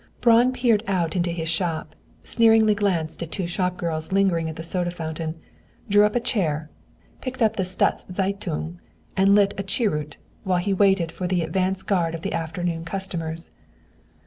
Braun peered out into his shop, sneeringly glanced at two shop girls lingering at the soda fountain, drew up a chair, picked up the Staats Zeitung, and lit a cheroot, while he waited for the advance guard of the afternoon customers.